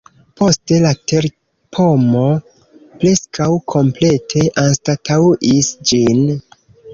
Poste la terpomo preskaŭ komplete anstataŭis ĝin.